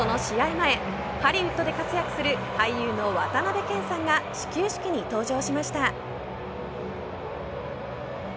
前ハリウッドで活躍する俳優の渡辺謙さんが始球式に登場しました。